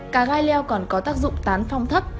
cà rai leo còn có tác dụng tán phong thấp